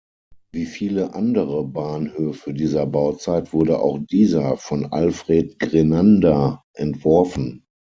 Wie viele andere Bahnhöfe dieser Bauzeit wurde auch dieser von Alfred Grenander entworfen.